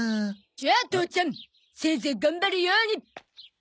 じゃあ父ちゃんせいぜい頑張るように！